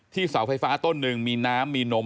เสาไฟฟ้าต้นหนึ่งมีน้ำมีนม